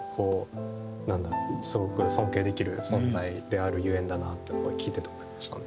すごく尊敬できる存在であるゆえんだなって聞いてて思いましたね。